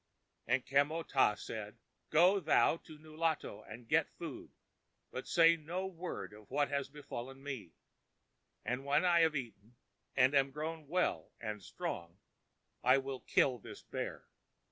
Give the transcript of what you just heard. And Kamo tah said, 'Go thou to Nulato and get food, but say no word of what has befallen me. And when I have eaten, and am grown well and strong, I will kill this bear.